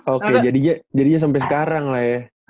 oke jadinya sampai sekarang lah ya